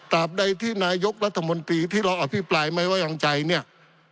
ใดที่นายกรัฐมนตรีที่เราอภิปรายไม่ไว้วางใจเนี่ย